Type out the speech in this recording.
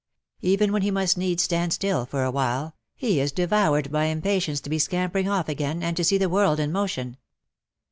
Even when he must needs stand still for a while, he is devoured by impatience to be scampering off again, and to see the world in motion.